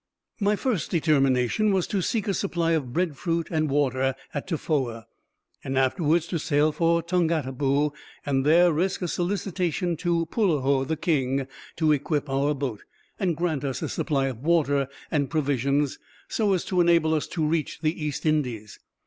My first determination was to seek a supply of breadfruit and water at Tofoa, and afterwards to sail for Tongataboo, and there risk a solicitation to Poulaho, the king, to equip our boat, and grant us a supply of water and provisions, so as to enable us to reach the East Indies.